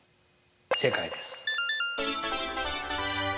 正解です。